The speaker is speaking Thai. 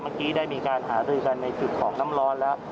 เมื่อกี้ได้มีการหารือกันในจุดของน้ำร้อนแล้ว